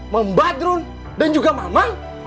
membadrun dan juga mama